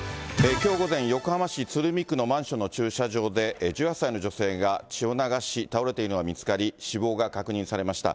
きょう午前、横浜市鶴見区のマンションの駐車場で、１８歳の女性が血を流し、倒れているのが見つかり、死亡が確認されました。